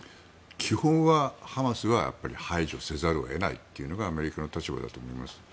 基本はハマスは排除せざるを得ないというのがアメリカの立場だと思います。